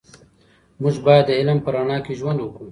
موږ باید د علم په رڼا کې ژوند وکړو.